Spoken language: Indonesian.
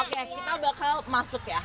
oke kita bakal masuk ya